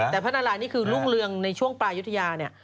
แต่พระนารายนี่คือรุ่งเรืองในช่วงปลายุธยาเนี่ย